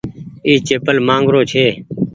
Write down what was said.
اي چيپل مآنگ رو ڇي۔